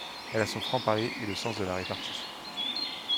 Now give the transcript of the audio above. Elle a son franc-parler et le sens de la répartie.